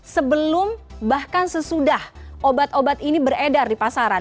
sebelum bahkan sesudah obat obat ini beredar di pasaran